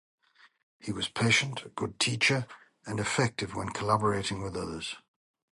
He was patient, a good teacher, and effective when collaborating with others.